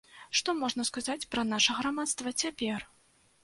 Што можна сказаць пра наша грамадства цяпер?